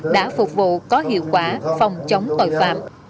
đã phục vụ có hiệu quả phòng chống tội phạm